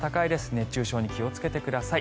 熱中症に気をつけてください。